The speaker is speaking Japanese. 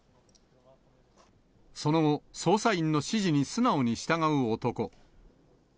その後、捜査員の指示に素直に従う男。